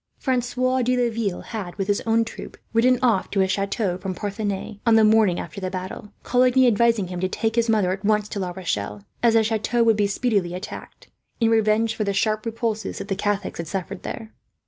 Francois de Laville had, with his own troop, ridden off to his chateau from Parthenay on the morning after the battle; Coligny advising him to take his mother, at once, to La Rochelle, as the chateau would speedily be attacked, in revenge for the sharp repulse that the Catholics had suffered there.